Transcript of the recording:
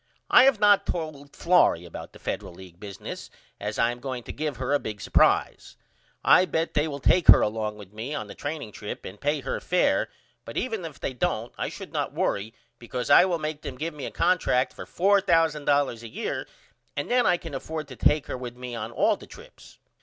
I have not told Florrie about the Federal League business yet as I am going to give her a big supprise. I bet they will take her along with me on the training trip and pay her fair but even if they don't I should not worry because I will make them give me a contract for $4000 a year and then I can afford to take her with me on all the trips.